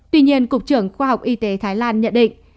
tuy nhiên cục trưởng khoa học y tế thái lan nhận định